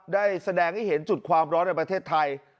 ได้แสดงให้เห็นจุดความร้อนในประเทศไทย